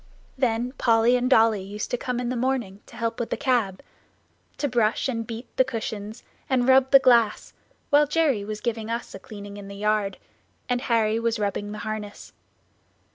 Then Polly and Dolly used to come in the morning to help with the cab to brush and beat the cushions, and rub the glass, while Jerry was giving us a cleaning in the yard, and Harry was rubbing the harness.